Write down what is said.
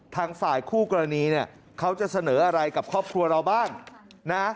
ทางฝ่ายคู่กรณีเนี่ยเขาจะเสนออะไรกับครอบครัวเราบ้างนะ